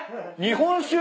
日本酒！？